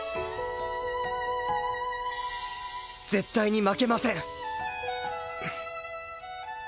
絶対に負けません。